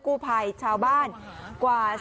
กู้ภัยชาวบ้านกว่า